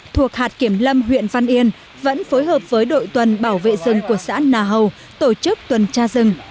thuộc hạt kiểm lâm huyện văn yên vẫn phối hợp với đội tuần bảo vệ rừng của xã nà hầu tổ chức tuần tra rừng